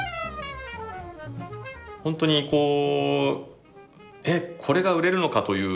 本当にこう「えっこれが売れるのか？」というような時代です。